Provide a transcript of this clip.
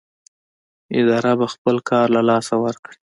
اداره به خپل کار له لاسه ورکړي.